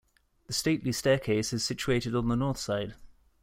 The stately staircase is situated on the north side.